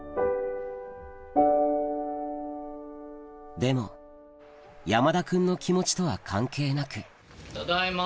でも山田君の気持ちとは関係なくただいま。